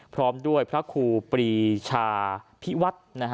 พร้อมด้วยพระครูปรีชาพิวัฒน์